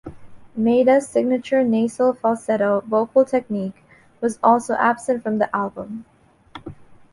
Maida's signature nasal falsetto vocal technique was also absent from the album.